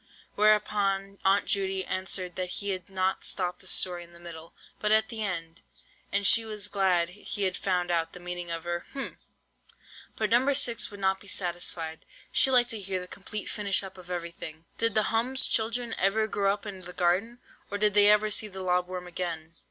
Whereupon Aunt Judy answered that he had not stopped the story in the middle, but at the end, and she was glad he had found out the meaning of her—hm—! But No. 6 would not be satisfied, she liked to hear the complete finish up of everything. "Did the 'hum's' children ever grow up in the garden, and did they ever see the lob worm again?"